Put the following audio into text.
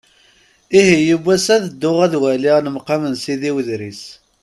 Ihi yiwen wass, ad dduɣ ad waliɣ lemqam n Sidi Udris.